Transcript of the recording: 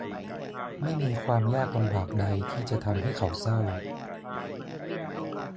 ไม่มีความยากลำบากใดที่จะทำให้เขาเศร้า